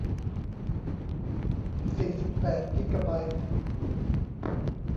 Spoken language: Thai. สี่สิบแปดกิกะไบต์